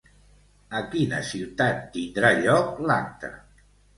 A quina ciutat tindrà lloc l'acte?